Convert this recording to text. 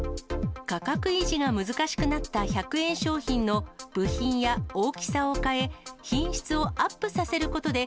価格維持が難しくなった１００円商品の部品や大きさを変え、品質をアップさせることで、